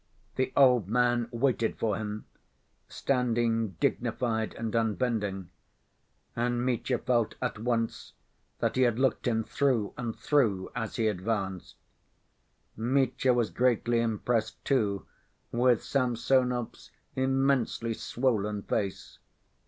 The old man waited for him, standing dignified and unbending, and Mitya felt at once that he had looked him through and through as he advanced. Mitya was greatly impressed, too, with Samsonov's immensely swollen face.